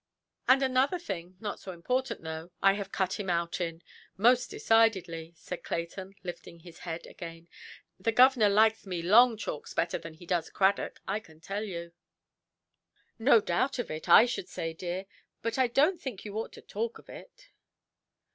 "And another thing, not so important, though, I have cut him out in, most decidedly", said Clayton, lifting his head again; "the governor likes me long chalks better than he does Cradock, I can tell you". "No doubt of it, I should say, dear. But I donʼt think you ought to talk of it".